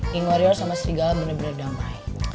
king warrior sama sigale bener bener damai